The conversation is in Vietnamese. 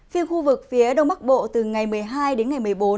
riêng khu vực phía đông bắc bộ từ ngày một mươi hai đến ngày một mươi bốn